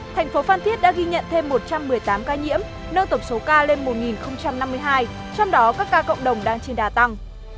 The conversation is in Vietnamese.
thành phố phan thiết đã ghi nhận thêm một trăm một mươi tám ca nhiễm nâng tổng số ca lên một năm mươi hai